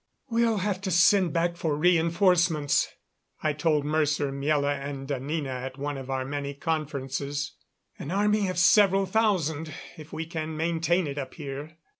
"We'll have to send back for reënforcements," I told Mercer, Miela and Anina at one of our many conferences. "An army of several thousand, if we can maintain it up here."